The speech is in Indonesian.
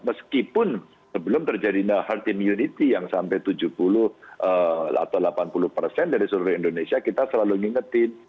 meskipun sebelum terjadi heart immunity yang sampai tujuh puluh atau delapan puluh dari seluruh indonesia kita selalu ingetin